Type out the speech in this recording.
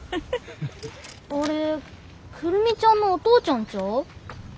あれ久留美ちゃんのお父ちゃんちゃう？